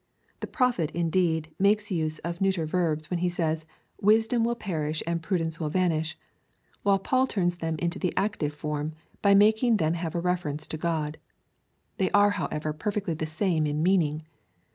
The Prophet, indeed, makes use of neuter verbs when he says, Wisdo77i will perish and prudence will vanish, while Paul turns them into the active form, by making them have a reference to God. They are, however, perfectly the same in meaning.